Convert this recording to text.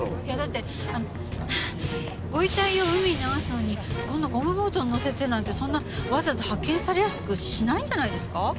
いやだってあのご遺体を海に流すのにこんなゴムボートに載せてなんてそんなわざわざ発見されやすくしないんじゃないですか？